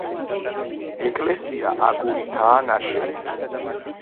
ეკლესია აგურითაა ნაშენი.